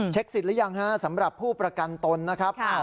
สิทธิ์หรือยังฮะสำหรับผู้ประกันตนนะครับ